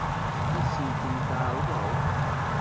Ad sent-tent-tɛeṛḍeḍ?